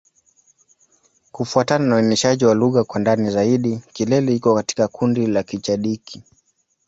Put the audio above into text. Kufuatana na uainishaji wa lugha kwa ndani zaidi, Kilele iko katika kundi la Kichadiki.